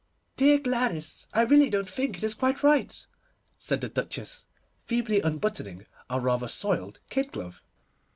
'Dear Gladys, I really don't think it is quite right,' said the Duchess, feebly unbuttoning a rather soiled kid glove.